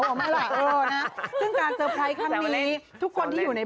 ออกมาล่ะเออน่ะซึ่งการเจอไพค์คันมีทุกคนที่อยู่ใน